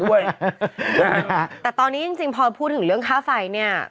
แต่ตอนนี้จริงพอพูดถึงเรื่องค่าไฟเนี่ย